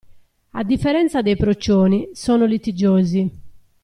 A differenza dei procioni, sono litigiosi.